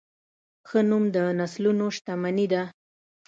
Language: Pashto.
ښه نوم د نسلونو شتمني ده.